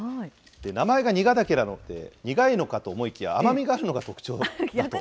名前がニガダケなので、苦いのかと思いきや、甘みがあるのが特徴だと。